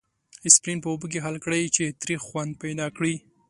اسپرین په اوبو کې حل کړئ چې تریخ خوند پیدا کړي.